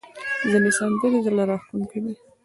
ځینې سندرې زړه راښکونکې دي.